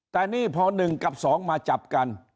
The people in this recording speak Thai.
แต่นี่พอ๑กับ๒มาจับกัน